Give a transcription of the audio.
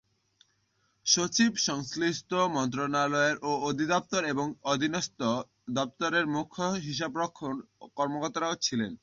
সচিব সংশ্লিষ্ট মন্ত্রণালয়, এর অধিদপ্তর এবং অধীনস্থ দপ্তরের মুখ্য হিসাবরক্ষণ কর্মকর্তাও ছিলেন।